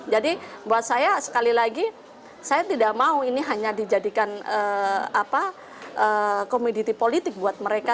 jadi buat saya sekali lagi saya tidak mau ini hanya dijadikan apa komediti politik buat mereka